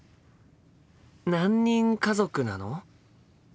何人家族なの？